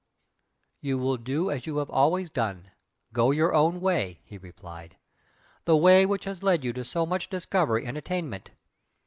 "You will do as you have always done go your own way" he replied "The way which has led you to so much discovery and attainment.